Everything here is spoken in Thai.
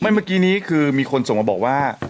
เมื่อกี้นี้คือมีคนส่งมาบอกว่า